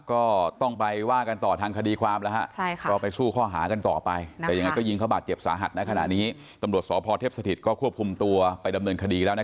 ก็ต้องไปว่ากันต่อทางคดีความนะฮะ